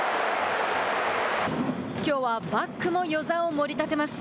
きょうはバックも與座をもり立てます。